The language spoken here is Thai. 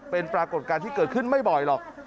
เป็นปรากฏการณ์ที่เกิดขึ้นไม่บ่อยหรอก